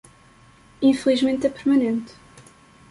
Infelizmente é permanente.